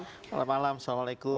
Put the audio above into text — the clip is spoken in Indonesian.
selamat malam assalamualaikum